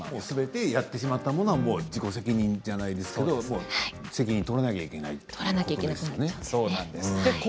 すべてやってしまったものは自己責任じゃないですけれども責任を取らなければいけないですね。